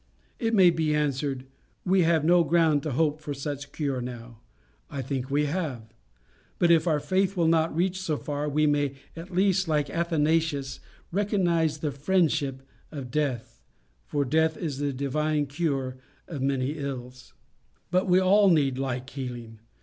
It may be answered We have no ground to hope for such cure now. I think we have; but if our faith will not reach so far, we may at least, like Athanasius, recognize the friendship of Death, for death is the divine cure of many ills. But we all need like healing.